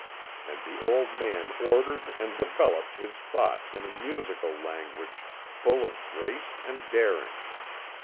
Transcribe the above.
And the old man ordered and developed his thoughts in a musical language full of grace and daring.